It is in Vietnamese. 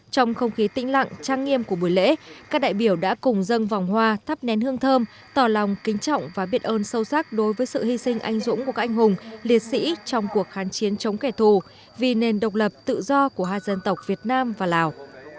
trong không khí tĩnh lặng trăng nghiêm của buổi lễ các đại biểu đã cùng dân vòng hoa thắp nén hương thơm tỏ lòng kính trọng và biệt ơn sâu sắc đối với sự hy sinh anh dũng của các anh hùng liệt sĩ trong cuộc khán chiến chống kẻ thù vì nền độc lập tự do của hai dân tộc việt nam và lào